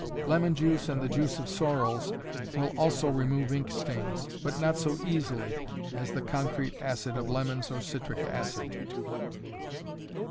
Lemon juice and the juice of sorrels will also remove ink stains, but not so easily as the concrete acid of lemons or citric acid.